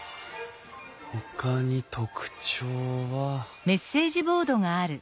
ほかに特徴は。